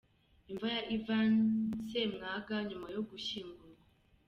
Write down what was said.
Imva ya Ivan Ssemwanga nyuma yo gushyingurwa.